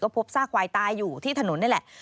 พบซากควายตายอยู่ที่ถนนนี่แหละ